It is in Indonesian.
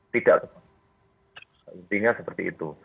tidak seperti itu